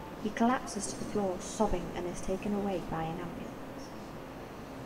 He collapses to the floor sobbing and is taken away by an ambulance.